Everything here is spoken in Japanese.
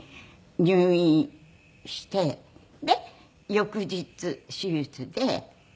入院してで翌日手術で。